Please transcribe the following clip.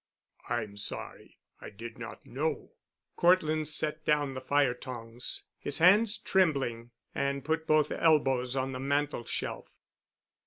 "I'm sorry. I did not know." Cortland set down the fire tongs, his hands trembling, and put both elbows on the mantel shelf.